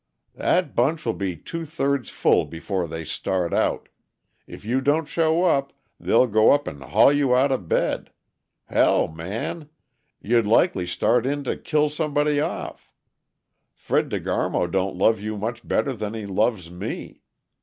"That bunch will be two thirds full before they start out. If you don't show up, they'll go up and haul you outa bed hell, Man! You'd likely start in to kill somebody off. Fred De Garmo don't love you much better than he loves me.